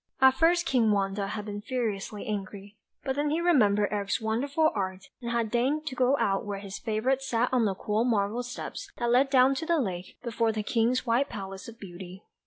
At first King Wanda had been furiously angry, but then he remembered Eric's wonderful art, and had deigned to go out to where his favourite sat on the cool marble steps, that led down to the lake, before the King's white palace of beauty.